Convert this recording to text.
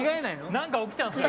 何か起きたんすか？